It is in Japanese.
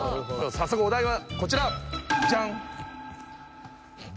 早速お題はこちらジャン。